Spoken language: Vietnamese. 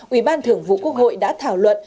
ủy ban thưởng vụ quốc hội đã thảo luận